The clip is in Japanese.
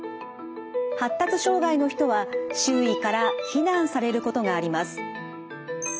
発達障害の人は周囲から非難されることがあります。